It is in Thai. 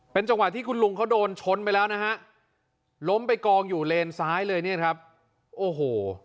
จังหวะที่คุณลุงเขาโดนชนไปแล้วนะฮะล้มไปกองอยู่เลนซ้ายเลยเนี่ยครับโอ้โห